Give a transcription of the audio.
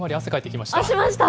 きました？